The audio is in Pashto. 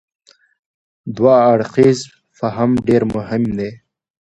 دوه اړخیز فهم ډېر مهم دی.